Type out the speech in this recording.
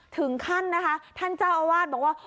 ถึงขั้นนะคะท่านเจ้าอาวาสบอกว่า